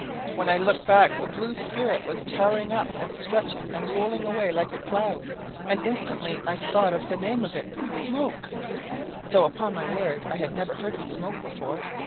When I looked back the blue spirit was towering up and stretching and rolling away like a cloud, and instantly I thought of the name of it SMOKE! though, upon my word, I had never heard of smoke before.